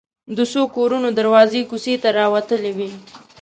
د څو کورونو دروازې کوڅې ته راوتلې وې.